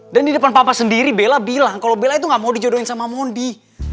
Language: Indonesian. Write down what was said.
dan di depan papa sendiri bella bilang kalau bella itu gak mau dijodohin sama mondi